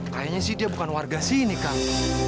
kayaknya sih dia bukan warga sini kang